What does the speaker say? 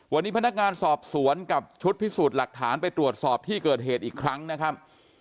วันนี้พนักงานสอบสวนกับชุดพิสูจน์หลักฐานไปตรวจสอบที่เกิดเหตุอีกครั้งนะครับ